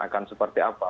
akan seperti apa